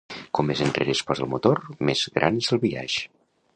Com més enrere es posa el motor, més gran és el biaix.